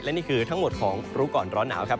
นี่คือทั้งหมดของรู้ก่อนร้อนหนาวครับ